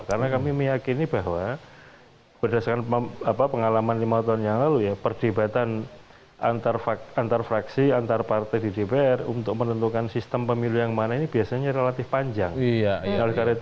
karena kami meyakini bahwa berdasarkan pengalaman lima tahun yang lalu ya perdebatan antar fraksi antar partai di dpr untuk menentukan sistem pemilu yang mana ini biasanya tidak bisa dihindarkan